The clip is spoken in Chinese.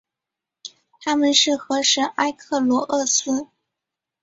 她们是河神埃克罗厄斯。